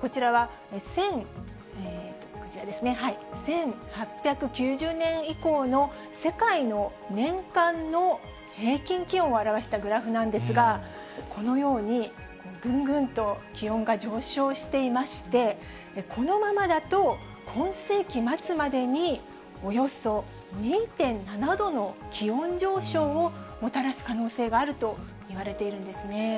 こちらは、１８９０年以降の世界の年間の平均気温を表したグラフなんですが、このようにぐんぐんと気温が上昇していまして、このままだと今世紀末までにおよそ２．７度の気温上昇をもたらす可能性があるといわれているんですね。